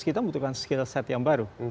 kita membutuhkan skill set yang baru